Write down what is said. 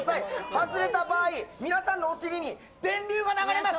外れた場合、皆さんのお尻に電流が流れます。